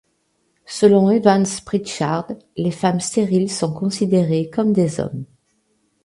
Selon Evans Pritchard, les femmes stériles sont considérées comme des hommes.